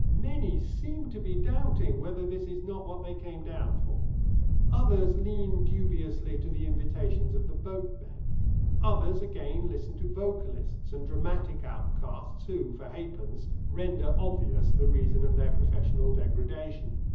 Many seem to be doubting whether this is not what they came down for. Others lean dubiously to the invitations of the boatmen. Others again listen to vocalists and dramatic outcasts who, for ha'pence, render obvious the reason of their professional degradation.